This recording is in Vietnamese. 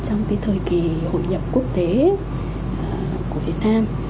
trong cái thời kỳ hội nhập quốc tế của việt nam